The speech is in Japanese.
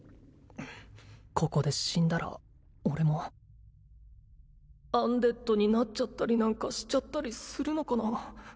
ここで死んだら俺もアンデッドになっちゃったりなんかしちゃったりするのかな